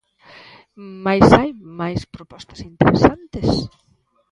Mais hai máis propostas interesantes.